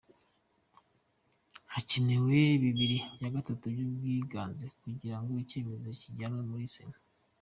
Hakenewe bibiri bya gatatu by'ubwiganze kugira ngo icyemezo cyijyanwe muri sena.